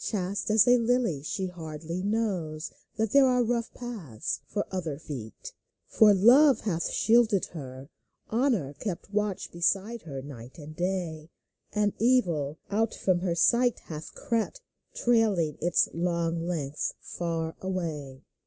Chaste as a lily, she hardly knows That there are rough paths for other feet. For Love hath shielded her ; Honor kept Watch beside her by night and day ; And Evil out from her sight hath crept, Trailing its slow length far away.